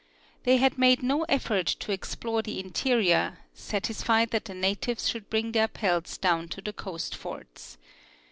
They had made no effort to explore the interior, satis fied that the natives should bring their pelts down to the coast forts.